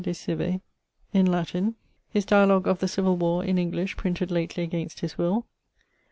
{De cive } His dialogue of the Civill Warr, in English, printed lately against his will.